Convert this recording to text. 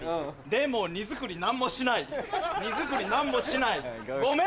でも荷造り何もしない荷造り何もしない御免！